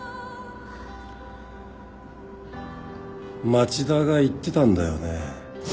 町田が言ってたんだよね。